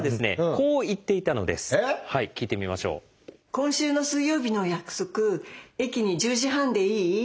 「今週の水曜日の約束駅に１０時半でいい？